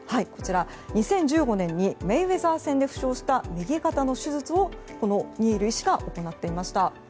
２０１５年にメイウェザー戦で負傷した右肩の手術をこのニール医師が行っていました。